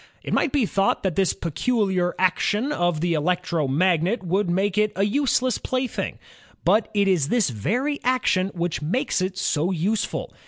It might be thought that this peculiar action of the electromagnet would make it a useless plaything, but it is this very action which maies it so useful.